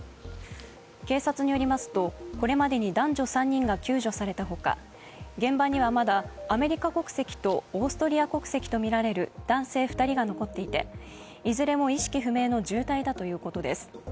警察によりますとこれまでに男女３人が救助されたほか現場には、まだアメリカ国籍とオーストリア国籍とみられる男性２人が残っていて、いずれも意識不明の重体だということです。